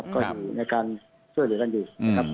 ก็อยู่ในการช่วยเหลือกันอยู่